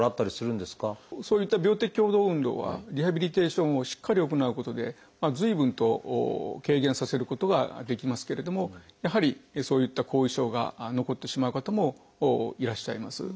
そういった病的共同運動はリハビリテーションをしっかり行うことで随分と軽減させることができますけれどもやはりそういった後遺症が残ってしまう方もいらっしゃいます。